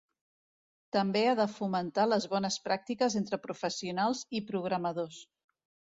També ha de fomentar les bones pràctiques entre professionals i programadors.